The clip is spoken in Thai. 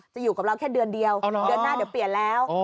อยู่กับเราแค่เดือนเดียวเดือนหน้าเดี๋ยวเปลี่ยนแล้ว